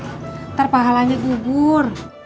ntar pahalanya gugur